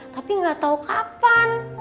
tapi gatau kapan